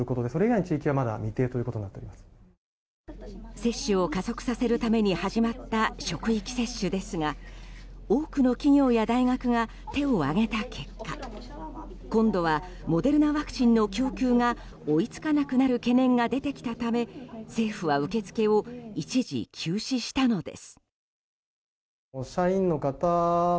接種を加速させるために始まった職域接種ですが多くの企業や大学が手を挙げた結果今度はモデルナワクチンの供給が追いつかなくなる懸念が出てきたため、政府は受け付けを一時休止したのです。